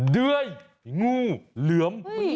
เลยงูเหลือม